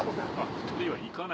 ２人は行かない？